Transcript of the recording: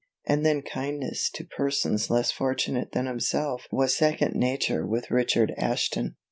And then kindness to persons less fortunate than himself was second nature with Richard Ashton.